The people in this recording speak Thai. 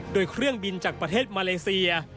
โดยเครื่องบินจากประเทศมาเลเซีย